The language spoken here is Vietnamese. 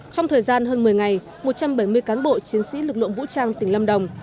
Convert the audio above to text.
trong thời gian hơn một mươi ngày một trăm bảy mươi cán bộ chiến sĩ lực lượng vũ trang tỉnh lâm đồng